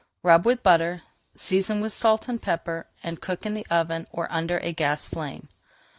Rub with butter, season with salt and pepper, and cook in the oven or under a gas flame.